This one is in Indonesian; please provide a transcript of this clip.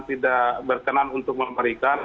tidak berkenan untuk memberikan